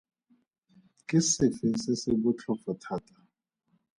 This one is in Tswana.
Ke sefe se se botlhofo thata?